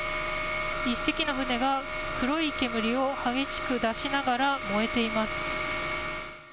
１隻の船が黒い煙を激しく出しながら燃えています。